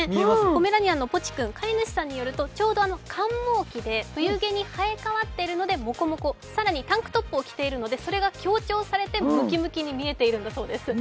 ポメラニアンのポチ君、飼い主さんによるとちょうど換毛期で冬毛に生えかわっているのでもこもこ、さらにタンクトップを着ているのでそれが強調されてムキムキに見えているんだそうです。